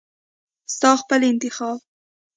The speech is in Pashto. ستا خپل انتخاب .